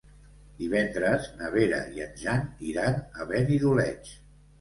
Divendres na Vera i en Jan iran a Benidoleig.